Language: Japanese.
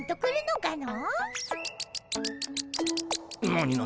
何何？